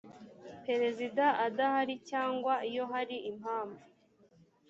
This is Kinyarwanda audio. perezida adahari cyangwa iyo hari impamvu